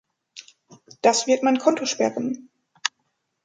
Das wird mein Konto sperren.